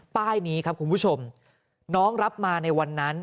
ป้ายนี้ครับคุณผู้ชมน้องรับมาในวันนั้น